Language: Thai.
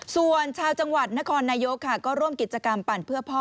ส่วนชาวจังหวัดนครนายกค่ะก็ร่วมกิจกรรมปั่นเพื่อพ่อ